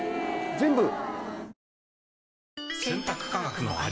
全部。